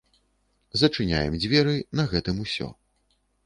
Зачыняем дзверы, на гэтым усё.